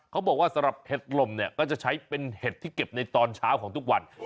เขาบอกว่าสำหรับเห็ดลมเนี่ยก็จะใช้เป็นเห็ดที่เก็บในตอนเช้าของทุกวัน